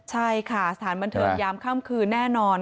ใช่ค่ะสถานบันเทิงยามค่ำคืนแน่นอน